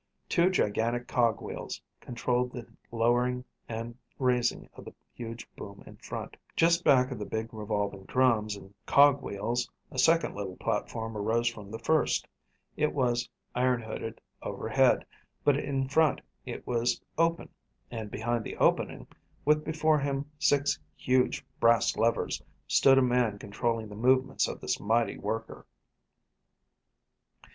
Two gigantic cog wheels controlled the lowering and raising of the huge boom in front. Just back of the big revolving drums and cog wheels a second little platform arose from the first. It was iron hooded overhead, but in front it was open, and behind the opening, with before him six huge brass levers, stood a man controlling the movements of this mighty worker.